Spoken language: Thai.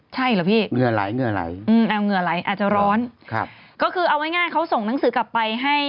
ใช่เหรอพี่เอาเงื่อไหลอาจจะร้อนคือเอาไว้ง่ายเขาส่งนังสือกลับไปให้